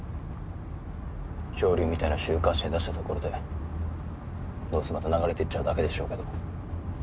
「潮流」みたいな週刊誌で出したところでどうせまた流れていっちゃうだけでしょうけど。